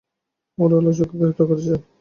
ওরা আনোচকে গ্রেফতার করেছে।